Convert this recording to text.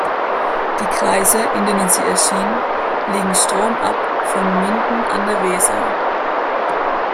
Die Kreise, in denen sie erschien, liegen stromab von Minden an der Weser.